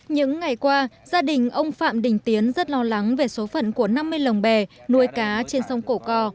những ngày qua gia đình ông phạm đình tiến rất lo lắng về số phận của năm mươi lồng bè nuôi cá trên sông cổ cò